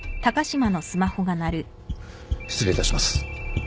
失礼いたします。